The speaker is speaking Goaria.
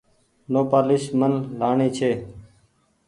نوپآليس من لآڻي ڇي۔